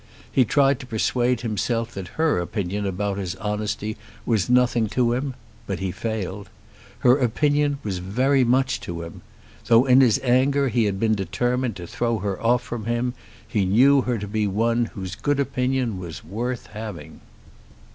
He tried to persuade himself that her opinion about his honesty was nothing to him; but he failed. Her opinion was very much to him. Though in his anger he had determined to throw her off from him, he knew her to be one whose good opinion was worth having.